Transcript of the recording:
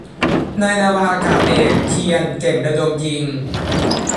นายนาวาอากาศเอก เฑียร เก่งระดมยิง